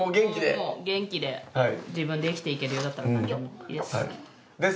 もう元気で自分で生きていけるようだったら何でもいいです。